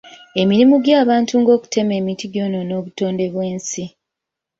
Emirimu gy'abantu nga okutema emiti gyonoona obutonde bw'ensi.